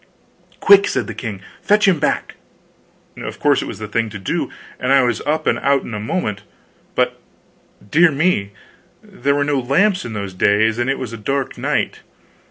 "Quick!" said the king. "Fetch him back!" Of course, it was the thing to do, and I was up and out in a moment. But, dear me, there were no lamps in those days, and it was a dark night.